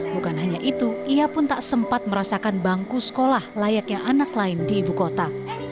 bukan hanya itu ia pun tak sempat merasakan bangku sekolah layaknya anak lain di ibu kota